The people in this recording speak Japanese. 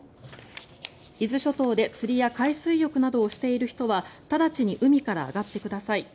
伊豆諸島で釣りや海水浴などをしている人は直ちに海から上がってください。